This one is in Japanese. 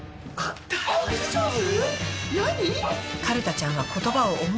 大丈夫？